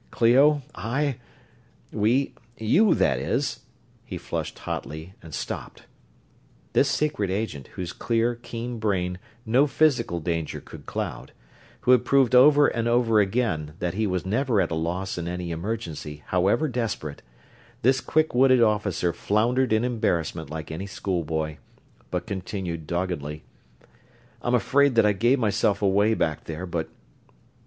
"Clio, I ... we ... you ... that is," he flushed hotly and stopped. This secret agent, whose clear, keen brain no physical danger could cloud; who had proved over and over again that he was never at a loss in any emergency, however desperate this quick witted officer floundered in embarrassment like any schoolboy, but continued, doggedly: "I'm afraid that I gave myself away back there, but...."